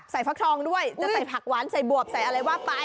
ฟักทองด้วยจะใส่ผักหวานใส่บวบใส่อะไรว่าไป